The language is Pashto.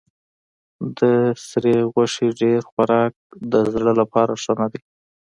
د سرې غوښې ډېر خوراک د زړه لپاره ښه نه دی.